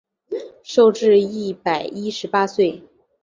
寿至一百一十八岁。